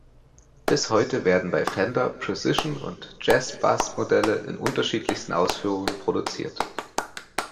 Bis heute werden bei Fender Precision- und Jazzbass-Modelle in unterschiedlichsten Ausführungen produziert.